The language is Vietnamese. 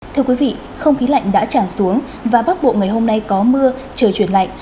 thưa quý vị không khí lạnh đã tràn xuống và bắc bộ ngày hôm nay có mưa trời chuyển lạnh